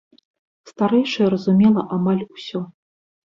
Старэйшая разумела амаль усё.